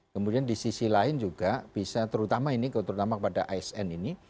kemudian di sisi lain juga bisa terutama ini terutama kepada asn ini